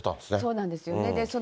そうなんですよね。